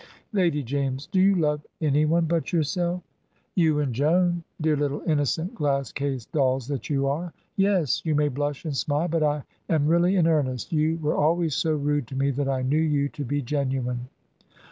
"Lady James, do you love any one but yourself?" "You and Joan dear little innocent glass case dolls that you are. Yes; you may blush and smile, but I am really in earnest. You were always so rude to me that I knew you to be genuine."